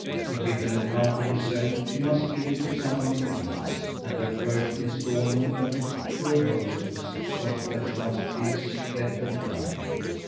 To give an account of herself she must give it to somebody else, and her first instalment of it to her hostess was that she must please let her cry.